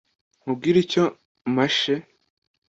nkubwire icyo mashe”